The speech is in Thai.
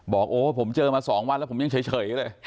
บอกโอ้ผมเจอมา๒วันแล้วผมยังเฉยเลย